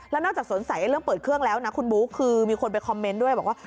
แล้วนอกจากสนใจเรื่องเปิดเครื่องแล้วนะคุณบุ๊คคือมีคนไปคอมเมนต์ด้วยบอกว่า